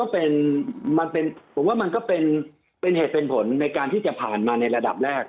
ผมว่ามันก็เป็นเหตุเป็นผลในการที่จะผ่านมาในระดับแรก